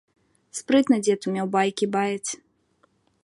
Спрытна дзед умеў байкі баяць.